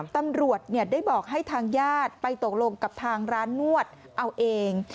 ตำรวจได้บอกให้ทางญาติไปตกลงกับทางร้านนวดเอาเอง